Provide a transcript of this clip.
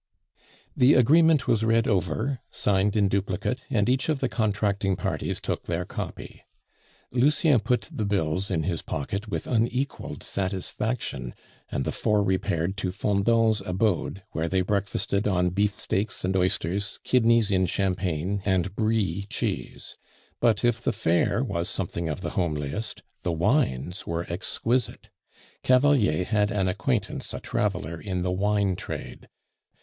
The agreement was read over, signed in duplicate, and each of the contracting parties took their copy. Lucien put the bills in his pocket with unequaled satisfaction, and the four repaired to Fendant's abode, where they breakfasted on beefsteaks and oysters, kidneys in champagne, and Brie cheese; but if the fare was something of the homeliest, the wines were exquisite; Cavalier had an acquaintance a traveler in the wine trade.